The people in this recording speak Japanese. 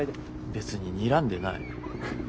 別ににらんでない。